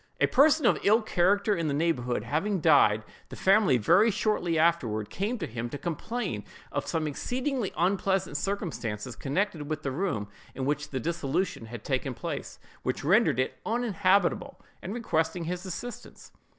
A person of ill character in the neighborhood having died, the family very shortly afterward came to him to complain of some exceedingly unpleasant circumstances connected with the room in which the dissolution had taken place, which rendered it uninhabitable, and requesting his assistance.